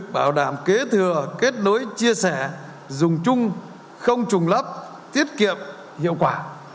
bảo đảm kế thừa kết nối chia sẻ dùng chung không trùng lấp tiết kiệm hiệu quả